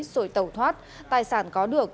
rồi tẩu thoát tài sản có được